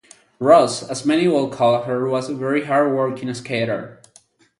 "Roz" as many would call her was a very hard working skater.